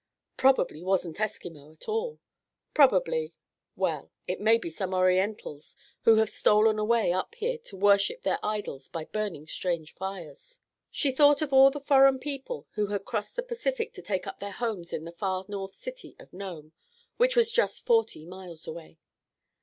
Probably wasn't Eskimo at all. Probably—well, it may be some Orientals who have stolen away up here to worship their idols by burning strange fires." She thought of all the foreign people who had crossed the Pacific to take up their homes in the far north city of Nome, which was just forty miles away.